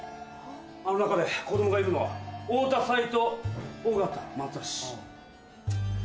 あの中で子供がいるのは太田斉藤尾形松橋。